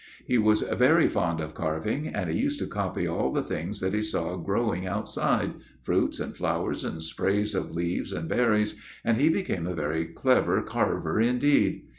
He was very fond of carving, and he used to copy all the things that he saw growing outside fruits, and flowers, and sprays of leaves, and berries and he became a very clever carver indeed.